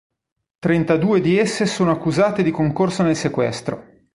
Trentadue di esse sono accusate di concorso nel sequestro.